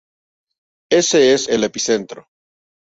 Es el epicentro